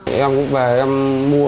em cũng về em mua